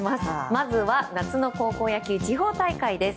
まずは夏の高校野球地方大会です。